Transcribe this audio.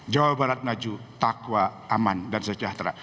jawa barat maju takwa aman dan sejahtera